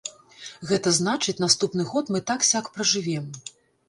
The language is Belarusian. Гэта значыць, наступны год мы так-сяк пражывем.